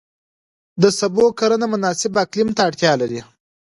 د سبو کرنه مناسب اقلیم ته اړتیا لري.